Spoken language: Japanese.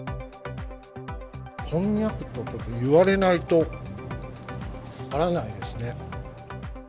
こんにゃくといわれないと分からないですね。